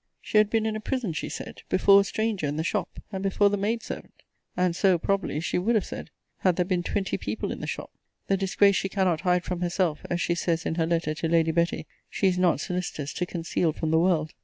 She had been in a prison, she said, before a stranger in the shop, and before the maid servant: and so, probably, she would have said, had there been twenty people in the shop. The disgrace she cannot hide from herself, as she says in her letter to Lady Betty, she is not solicitous to conceal from the world!